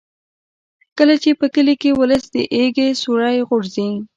کله چې په کلي ولس د ایږې سیوری غورځي.